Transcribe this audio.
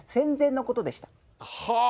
はあ！